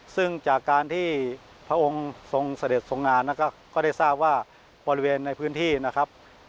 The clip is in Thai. ซึ่งจากการที่พระองค์ทรงเสด็จทรงงานนะครับก็ได้ทราบว่าบริเวณในพื้นที่นะครับ